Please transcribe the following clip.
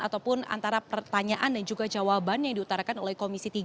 ataupun antara pertanyaan dan juga jawaban yang diutarakan oleh komisi tiga